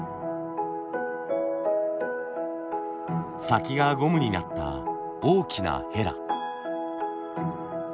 先がゴムになった大きなヘラ。